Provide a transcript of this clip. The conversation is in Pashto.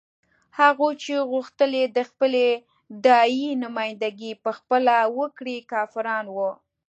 هغوی چې غوښتل یې د خپلې داعیې نمايندګي په خپله وکړي کافران وو.